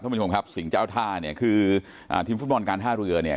คุณผู้ชมครับสิ่งเจ้าท่าเนี่ยคืออ่าทีมฟุตบอลการท่าเรือเนี่ย